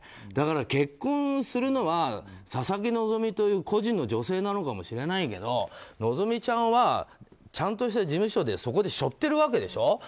だから結婚するのは佐々木希という個人の女性なのかもしれないけど希ちゃんはちゃんとした事務所でそこで背負ってるわけでしょ。